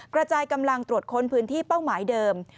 กระจายกำลังตรวจค้นพื้นที่เป้าหมายเดิม